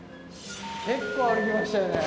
結構歩きましたよね。